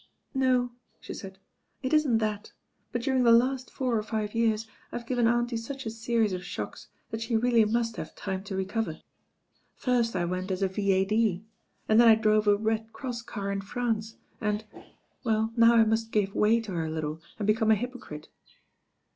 "No," she said; "it isn't that; but during the last four or five years I've given auntie such a series of shocks, that she really must have time to recover. First I went as a V.A.D., then I drove a Red Cross car In France and — ^well, now I must give way to her a little and become a hypocrite."